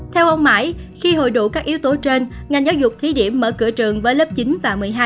theo ông mãi khi hồi đủ các yếu tố trên ngành giáo dục thí điểm mở cửa trường với lớp chín và một mươi hai